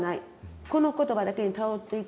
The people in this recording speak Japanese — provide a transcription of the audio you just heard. この言葉だけに頼っていこう。